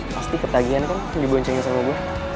pasti ketagihan kan diboncingin sama gue